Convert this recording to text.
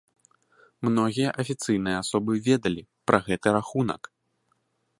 Многія афіцыйныя асобы ведалі пра гэты рахунак.